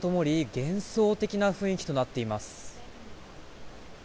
幻想的な雰囲気となっています。